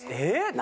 何？